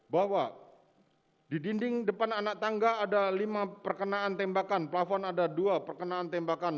bahwa di dinding depan anak tangga ada lima perkenaan tembakan plafon ada dua perkenaan tembakan